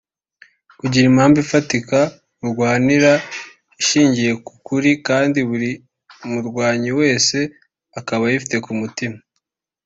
kugira impamvu ifatika urwanira ishingiye ku kuri kandi buri murwanyi wese akaba ayifite ku mutima